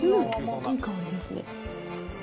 いい香りですね。